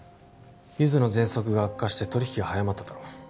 ゆづのぜんそくが悪化して取引が早まっただろ